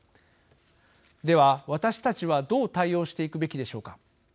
では、私たちはどう対応していくべきでしょうか。